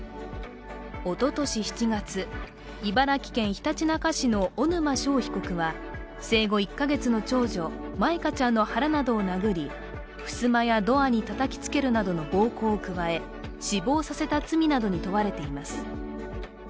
おととし７月、茨城県ひたちなか市の小沼勝被告は生後１カ月の長女・舞香ちゃんの腹などを殴りふすまやドアにたたきつけるなどの暴行を加え死亡させた罪などに問われています。